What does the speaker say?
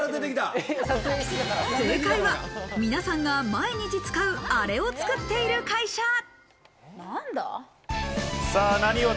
正解は皆さんが毎日使うアレを作っている会社。